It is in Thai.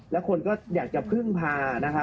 และคนก็อยากจะพึ่งพา